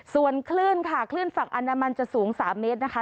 ส่วนคลื่นค่ะคลื่นฝั่งอันดามันจะสูง๓เมตรนะคะ